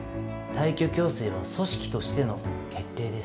退去強制は組織としての決定です。